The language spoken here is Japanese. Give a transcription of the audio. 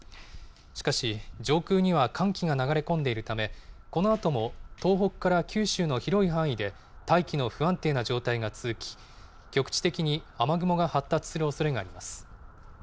しかし、上空には寒気が流れ込んでいるため、このあとも東北から九州の広い範囲で、大気の不安定な状態が続き、局地的に雨雲が発達するおそれがあります。